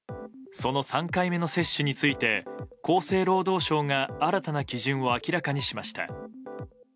その３回目の接種について厚生労働省が新たな基準を明らかにしました。